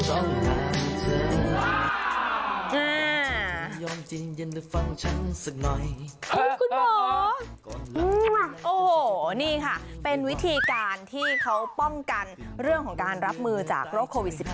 โอ้โหนี่ค่ะเป็นวิธีการที่เขาป้องกันเรื่องของการรับมือจากโรคโควิด๑๙